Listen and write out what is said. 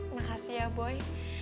makasih ya boy